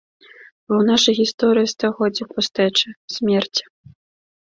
Бо ў нашай гісторыі стагоддзі пустэчы, смерці.